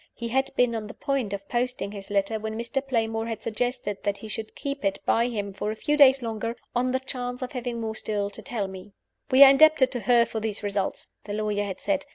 He had been on the point of posting his letter, when Mr. Playmore had suggested that he should keep it by him for a few days longer, on the chance of having more still to tell me. "We are indebted to her for these results," the lawyer had said.